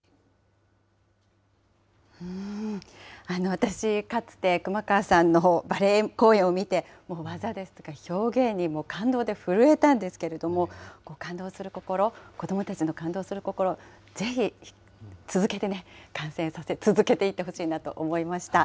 私、かつて熊川さんのバレエ公演を見て、技ですとか、表現に感動で震えたんですけれども、感動する心、子どもたちの感動する心、ぜひ続けてね、させて続けていってほしいなと思いました。